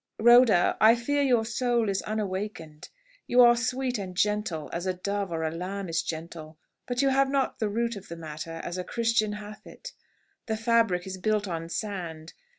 "Rhoda, I fear your soul is unawakened. You are sweet and gentle, as a dove or a lamb is gentle; but you have not the root of the matter as a Christian hath it. The fabric is built on sand.